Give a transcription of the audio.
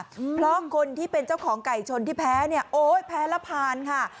เพราะคนที่เป็นเจ้าของไก่ชนที่แพ้โอ้แพ้และผ่านค่ะ